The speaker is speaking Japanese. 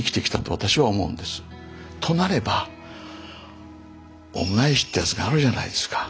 となれば恩返しってやつがあるじゃないですか。